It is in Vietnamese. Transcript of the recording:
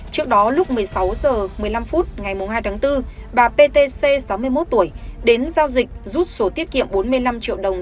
trước đó lúc một mươi sáu h một mươi năm phút ngày hai tháng bốn bà ptc sáu mươi một tuổi đến giao dịch rút số tiết kiệm bốn mươi năm triệu đồng